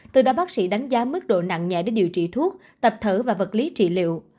từ đó bác sĩ đánh giá mức độ nặng nhẹ để điều trị thuốc tập thở và vật lý trị liệu